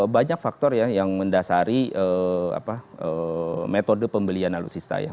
banyak faktor ya yang mendasari metode pembelian alutsista ya